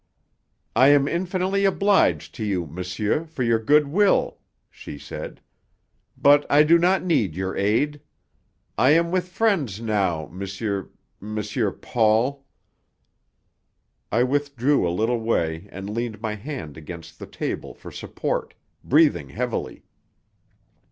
"I am infinitely obliged to you, monsieur, for your good will," she said; "but I do not need your aid. I am with friends now, M. M. Paul!" I withdrew a little way and leaned my hand against the table for support, breathing heavily.